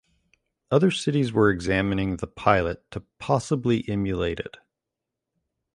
Other cities were examining the pilot to possibly emulate it.